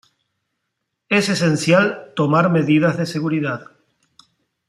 Es esencial tomar medidas de seguridad.